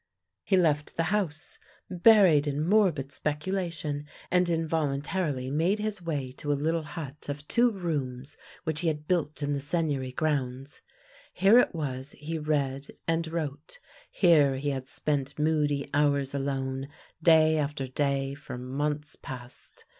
He left the house, buried in morbid specu lation, and involuntarily made his way to a little hut of two rooms which he had built in the Seigneury grounds. Flere it was he read and wrote, here he had spent moody hours alone, day after day, for months past.